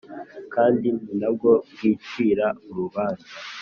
kandi ni na bwo bwicira urubanza;